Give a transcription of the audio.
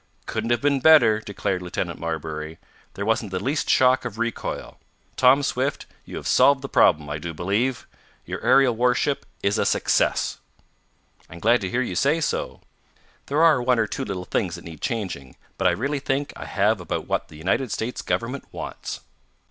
"Couldn't have been better," declared Lieutenant Marbury. "There wasn't the least shock of recoil. Tom Swift, you have solved the problem, I do believe! Your aerial warship is a success!" "I'm glad to hear you say so. There are one or two little things that need changing, but I really think I have about what the United States Government wants."